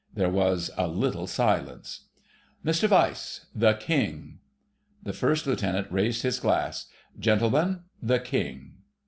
There was a little silence— "Mr Vice—the King!" The First Lieutenant raised his glass. "Gentlemen—the King!"